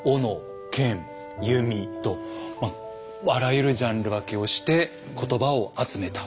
「剣」「弓」とあらゆるジャンル分けをしてことばを集めた。